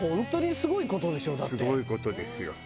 すごい事ですよ。